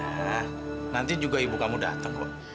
ya nanti juga ibu kamu dateng kok